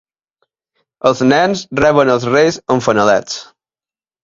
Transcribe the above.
Els nens reben els reis amb fanalets.